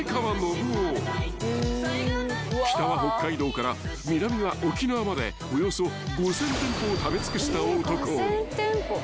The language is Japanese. ［北は北海道から南は沖縄までおよそ５，０００店舗を食べ尽くした男］